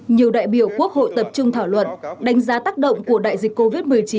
nhiều đại biểu quốc hội tập trung thảo luận đánh giá tác động của đại dịch covid một mươi chín